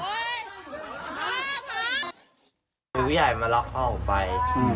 พี่ผู้ใหญ่มาล็อกเขาออกไป